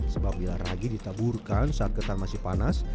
sebab bila ragi ditaburkan saat ketan masih panas